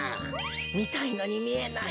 みたいのにみえない。